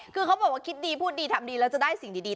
คือเขาบอกว่าคิดดีพูดดีทำดีแล้วจะได้สิ่งดี